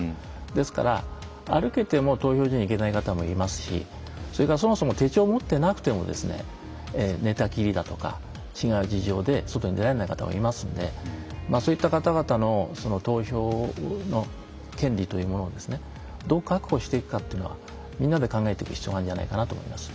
ですから歩けても投票所に行けない方もいますしそれからそもそも手帳を持ってなくても寝たきりだとか違う事情で外に出られない方もいますのでそういった方々の投票の権利というものをどう確保していくかというのはみんなで考えていく必要があるんじゃないかなと思います。